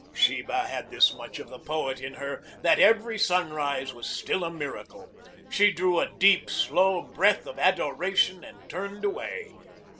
Sheba had this much of the poet in her, that every sunrise was still a miracle. She drew a deep, slow breath of adoration and turned away.